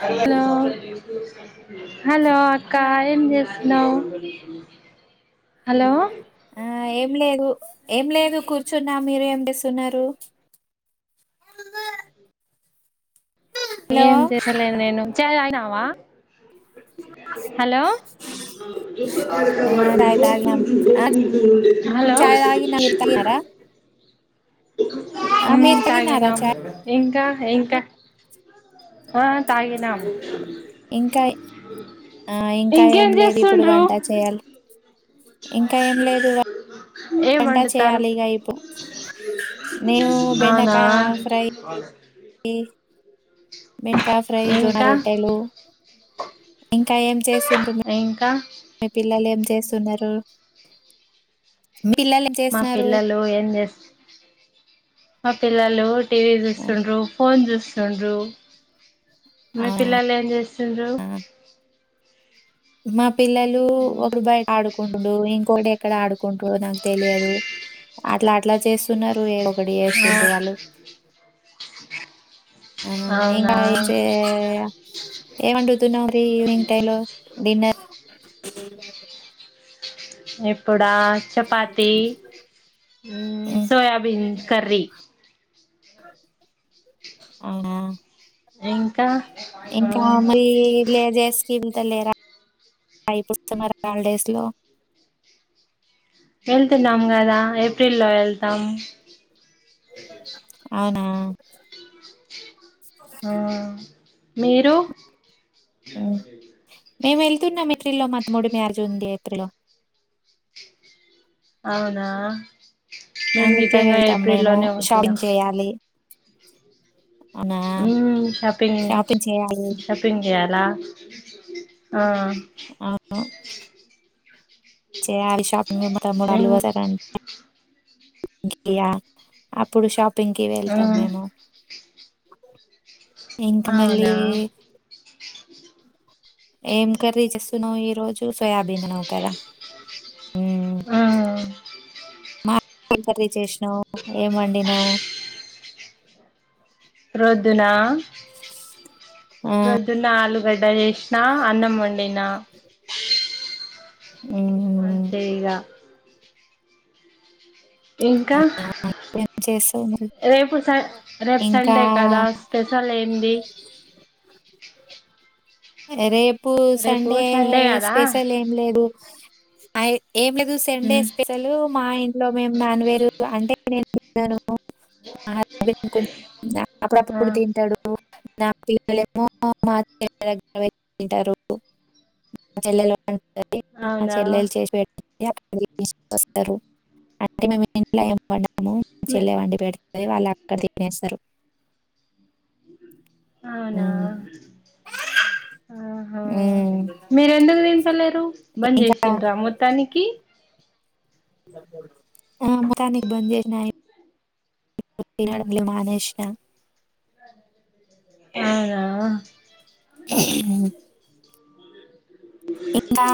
Hello hello అక్క ఏం జేస్తున్నావ్. హలో. ఆ ఏం లేదు, ఏం లేదు కూర్చున్నా, మీరు ఏం జేస్. సున్నారు ఏం చేసలేను నేను చాయ్ తాగినా వా హలో [unintelligible] ఆ చాయ్ తాగినం ఆ హలో చాయ్ తాగిన మీరు తాగినారా ఆ మీరు తాగినారా తాగినం చాయ్ ఇంకా ఇంకా. ఆ తాగినామ్. ఇంకై, ఆ ఇంకా ఏం లేదు, ఇప్పుడు చేస్తుండ్రు వంట చేయాల్. ఇంకా ఏం లేదు ఇగ, ఏం వంట వండుతారు చేయాలి ఇగా ఇప్, నేను అవునా బెండకాయ ఫ్రై. ఈ. బెండకాయ ఫ్రై, జోన ఇంకా రొట్టెలు. ఇంకా ఏం చేస్తుండ్రు మీర్. ఇంకా ఐ పిల్లలు ఎం చేస్తున్నారు పిల్లలు ఏం మా చేస్తున్నారు పిల్లలు ఏం చేస్ మా పిల్లలు టీవీ చూస్తండ్రు ఫోన్ చూస్ సొండ్రు మీ అవునా పిల్లలు ఏం చేస్తుండ్రు మా పిల్లలు ఒకరు బయట ఆడుకుండు ఇం గోడ ఎక్కడ ఆడుకుంట్రు నా తెలియదు అట్లా అట్లా చేస్తున్నారు ఏం ఓ ఆ పడిస్తుంట వాళ్ళు ఆ అవునా ఇంగా ఏమండుతున్నావు ఈవనింగ్ టై లో డిన్నర్ ఎ ప్పుడా చపాతి హ్మ్ సోయాబీన్ కర్రీ అవునా ఇంకా ఆ ఇంకా మరి లేజేస్త త లేరా పడు మ హాలిడేస్ లో వెళ్తున్నాం కదా ఏప్రిల్ లో వెళ్తాం అతే అవునా ఆ మీరు హ్మ్ మేము వెళ్తున్నాం ఏప్రి లో మా మూడు మార్టిజ్ ఉంది ఏప్రిలో అవునా మేము అందుకే గిటంగా వెళ్తాం ఏప్రిల్ మేము లోనే పోతున్నాం షాపింగ్ చేయాలి అవునా ఉమ్ షాపింగ్ షాపింగ్ చేయాలి ల ఆ అవును చేయాలి షాపింగ్ మ మూడుళ్లుు మ్మ్ వార అంట యా అప్పుడు షాపింగ్ పింకి ఆ వెళ్తాం మేము ఇంకా మళ్ళీ అవునా ఏం కర్రీ చేస్తున్నావ్ ఈ రోజు సోయాబీ దీనిని నూకరా ఆ మా ఏం కర్రీ చేస్ నువ్ ఏం వండినావ్ రోద్దునా ఆ! రోద్ద నాలు గడ్డ చేసినా అన్నం వండినా హ్మ్ అంతే ఇగా ఇంకా ఏం చేస్తావు మరి? రేపు స రేపు ఇంకా సండే కదా స్పెషల్ ఏ హింది అరే ఇప్పు రేపు సండే కదా స్పెషల్ ఏం లేదు అయి ఏం లేదు సండే ఉమ్ స్పెషాలు మా ఇంట్లో మేము నాన్న వేర్లు అంటే నేను తినను ఆ కొ ఆ అప్పుడప్పు తింటాడు నా పిల్లేమో మా చెల్ల దగ్గర పోయి తింటారు మా చెల్లలు అంటది మా అవునా చెల్లెలు చేసి పెట్ [unintelligible] ఎపుడు ఇష్ వస్తారు అంటే మేం ఇంకా ఏం పనా అమమ్మ చెల వండి పెడ్ రే వాళ్ళు అక్కడ తినేస్తరు అవునా ఆహా హ్మ్. మీర ఎందుకు తింటలేరు బంద్ ఇంకా చేసిండ్రా మొత్తానికి ఆ మొత్తానికి బంజేష్నా నేన్ ఎల్లడం ఇగ మానేష్నా అవునా అ ఇంకా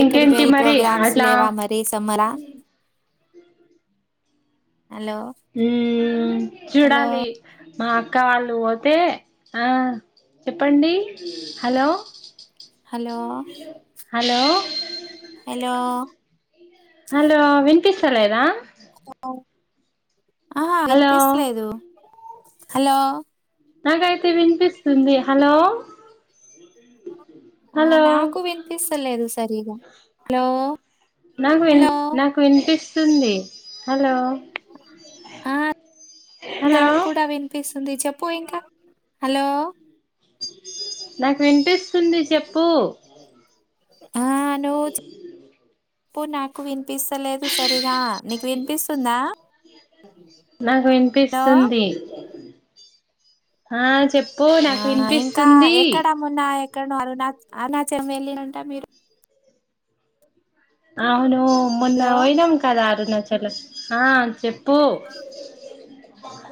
ఎక్కడికి వెళ్ళి మరి ప్రోగ్రామ్స్ అట్లా లేవా మరి సమ్మరా హలో హ్మ్ హలో చూడాలి మా అక్క వాళ్ళు పోతే ఆ చెప్పండి hello hello hello hello hello విన్ ఇస్తలేదా అ [unintelligible] ఆహా ఇంపిస్తలేదు హలో నాకైతే వినిపిస్తుంది హలో ఆ హలో నాకు వినిపిస్తలేదు సరిగా హలో హలో తుంది హలో ఆ హలో నాకు కూడా విన్ పిస్ ఉంది చెప్పు ఇంకా హలో నాకు వినిపిస్తుంది చెప్పు ఇంకా ఎందుకు [unintelligible] పో నాకువిన్ పిస్తలేదు సరిగా నీకు వినిపిస్ ఉందా నాకు వినిపిస్తుంది ఆచ్ చెప్పు నాకు వినిపిస్తుంది ఎక్కనో అరుణచ్ అరుణాచలం వెళ్లిరంట మీరు అవునూ హలో మోన్నవయినం కద అరుణ చెట్లక్ ఆ చెప్ పో ఆ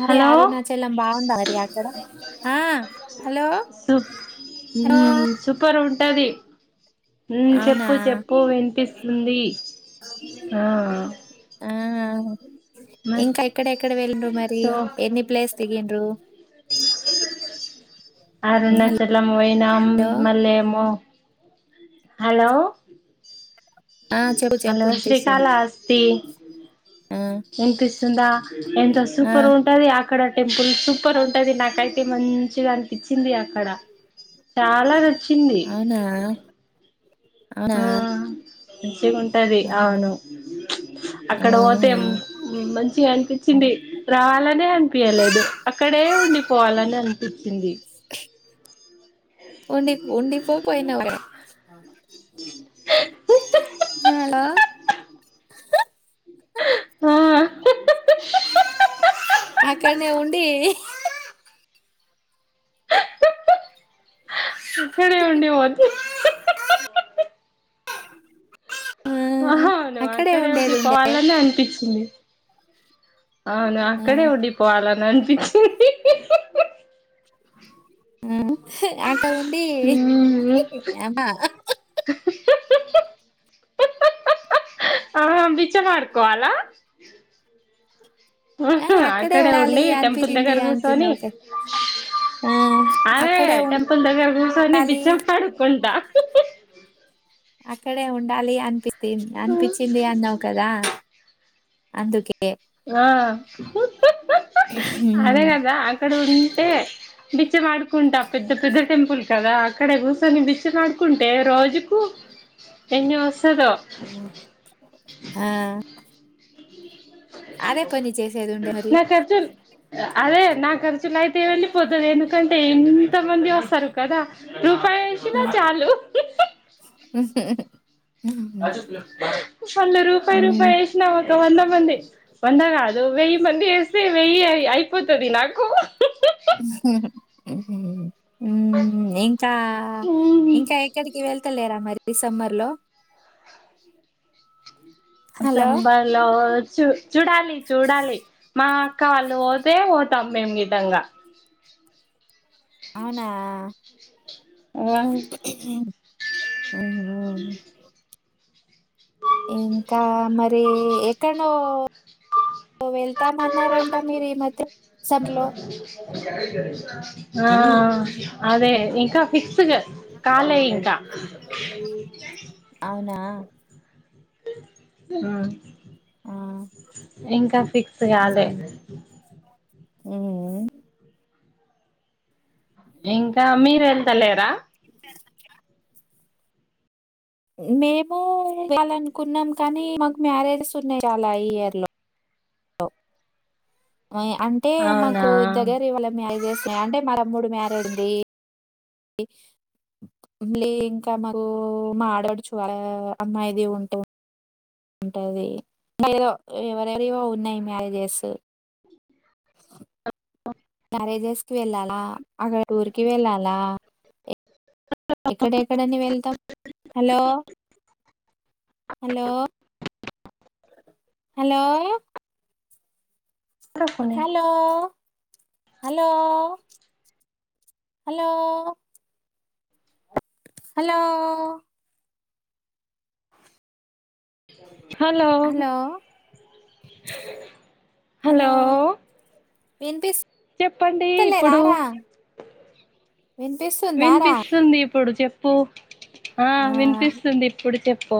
అరే అరుణచలం బాగుండదా మరి అక్కడ ఆ హలో సు హలో టది హుమ్ అవునా చెప్పు చెప్పు వినిపిస్తుంది ఆ అ మత్ ఇంకా ఎక్కడెక్కడ వెల్లిండ్రు మరి సో ఎన్ని ప్లేస్ దిగిండ్రు అరుణచలం పోయినాం హలో మళ్ళ ఏమో హలో ఆ చెప్పు చెప్పు హలో శ్రీకాళ వినిపిస్తుంది అస్తి ఆ ఇనిపిస్తుందా ఎంత ఆ సూపర్ ఉంటది అక్కడ టెంపుల్స్ సూపర్ ఉంటది నాకైతే మంచిగా అనిపించింది అక్కడ చాల నచ్చింది అవునా అవునా హా మంచిగా ఉంటది ఆహా. అవును అక్కడ ఆహా పోతే మంచిగా అనిపించింది రావాలనే అనిపీయలేదు అక్కడే ఉండి పోవాలని అనిపించింది ఉండి ఉండిపో పోయినవు హలో హ ఆ [unintelligible] అక్కడనే ఉండి ఇక్కడే ఉండి పోద్ది [unintelligible] ఆ అహా అవును అక్కడే ఉండేది ఉండి ఉండే పోవాలనే అనిపించింది అవున ఆ ఆక్కడే ఉండి పోవాల నాన్ [inaudible] ఉమ్ అక్కడ ఉండి అమా [unintelligible] ఆ బిచ్చ మాడుకోవాలా ఆ అక్కడే ఉండాలి ఉండి టెంపుల్ అనిపించింది దగ్గర కూర్చొని అంటున్నావు కదా ఆ అదే అక్కడే టెంపుల్ దగ్గర కూర్చొని ఉండాలి బిచ్చం అడుక్కుంటా అక్కడే ఉండాలి అనిపిస్ స్తి అనిపించింది అన్నావు కదా అందుకె గ అదే కదా అక్కడ ఉంటే బిచ్చిమాడుకుంట ఆ పెద్ద పెద్ద టెంపుల్ కదా అక్కడే కూర్చొని బిచ్చిమాడుకుంటే రోజుకు ఎన్ని వస్తదో ఆ అదే పని చేసేది ఉండే మరి నా కా ర్ అదే నా కర్చ్లై తే వేళ్ళి పోతది ఎందుకంటే ఏం ఎంత మంది వస్తారు కదా రూపాయి హ వేసినా చాలు ఊహు వాళ్ళు రూపాయి హ్మ్. రూపాయి వేసినా ఒక వంద మంది వంద కాద్ నువ్వె వంది ఎస్తే వెయ్యి ఆయ పొతది నాకు ఉహు మ్మ్ ఉమ ఇంకా ఇంక ఎక్కడికి క్కర్లేరా మరి డిసెంబర్లో హలో! సెంబర్ లో చూ చూడాలి చూడాలి మా కాల్లు పోతే ఓటమ్మేమ్ విధంగా అవునా ఉం అవునా ఇంకా మరి ఎక్కన్నో వెళ్తా మాన్ న్నారంట మీరి మధ్య సబ్లో ఆ అదే ఇంకా ఫిక్స్ కాలే ఇంకా [inaudible] అవునా? ఆ ఆ! ఇంకా ఫిక్స్ కాలే ఉం ఉమ్ ఇంకా మీరు వెళ్తలేరా తీసుకొచ్చిలా మేము ఇవాలనుకున్నాం కానీ మాకు మ్యారేజెస్ ఉన్నాయి చాలా ఈ ఇయర్ లో లో అంటే అవునా మాకు దగ్గర ఇవ్వళ మీ ఐ చెస్ అంటే మర మూడు మ్యారేజ్ది ీ ఇంకా మాకు మా ఆడపడు వాళ్ళ అమ్మాయిది ఉంటే ఉంటది ఏో ఎవరెవరియో ఉన్నాయి మ్యారేజెస్ మ్యారేజెస్ కి వెళ్ళాలా అక్కడ టూర్ కి వెళ్ళాలా ఎక్కడెక్కడని వెళ్తాం హలో హలో హలో పోనీ hello hello hello hello hello hello వినిపిస్ చెప్పండి ఇప్పుడు వినిపిస్తుందారా వినిపిస్తుంది ఇప్పుడు చెప్ప ప్పు ఆ వినిపిస్తుంది ఇప్పుడు చెప్ పో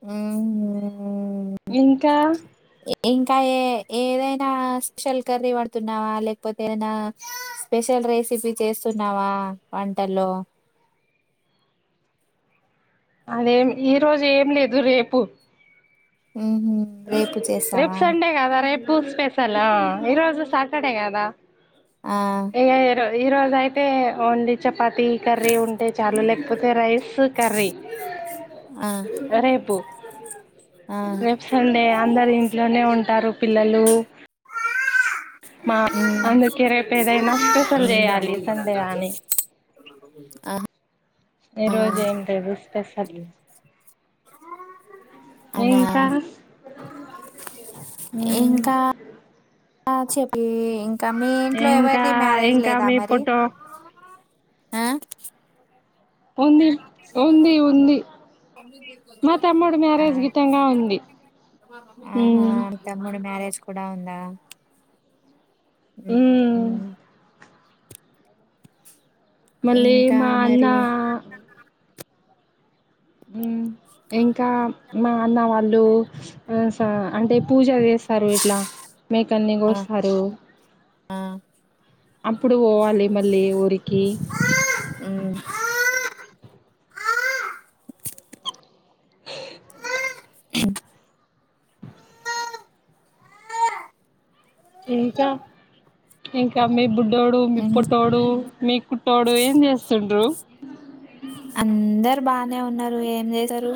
ఆ ఇంకా ఇంకా ఏ ఏదైనా స్పెషల్ కర్రీ వండుతున్నావా లేకపోతే ఏదైనా స్పెషల్ రెసిపీ చేస్తున్నావా వంటల్లో అదేం ఈ రోజు ఏం లేదు రేపు హుహు. రేపు రేపు చేస్తావా? సండే కదా రేపు స్పేస్ ల ఈరోజు సాటర్డే కదా ఆ! ఏరు ఈ రోజ అయితే ఓన్లీ చె చపాతి కర్రీ ఉంటే చాలు లేకపోతే రైస్ కర్రీ ఆ! రేపు ఆ! రేపు అందరు ఇంట్లోనే ఉంటారు పిల్లలు మా హ్మ్. అందుకే రేపు ఏదైనా స్పెషల్ చేయాలి సండే అని హ్మ్. ఆహా! ఈరోజు ఏం తెదు స్పెషల్ అవునా! ఇంకా ఆ చెప్పి ఇం ఇకా మీ ఇంట్లో ఇంకా ఎవరిది మ్యారేజ్ ఇంకా లేదా మీ మరి ఫోటో ఆ ఉంది ఉంది ఉంది మా తమ్ముడు మ్యారేజ్ గిట్టంగా ఉంది ఆహా ఉమ్ తమ్ముడు మ్యరేజ్ కూడా ఉందా అ ఉమ్ మళ్ళీ ఇంకా మా అన్న మరి ఇంకా మా అన్న వాళ్ళు అంటే పూజ వస్తారు ఇట్లా మేకల్ని ఆ కోస్తారు ఆ అప్పుడు పోవాలి మళ్ళీ ఊరికి ఉమ్, [inaudible] అ ఇంకా ఇంకా మీ బుడ్ ట్టోడు మీ పొట్టొడు మీకు తోడు ఏం చేస్తుండ్రు అందరు బానే ఉన్నారు ఏం చేశారు